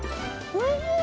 おいしい？